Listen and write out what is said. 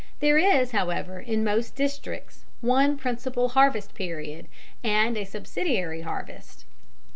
There is, however, in most districts one principal harvest period, and a subsidiary harvest.